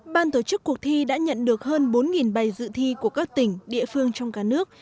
ban tổ chức cuộc thi đã nhận được hơn bốn bài dự thi của các tỉnh địa phương trong cả nước